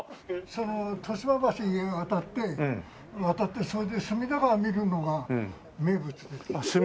その豊島橋いうの渡って渡ってそれで隅田川見るのが名物です。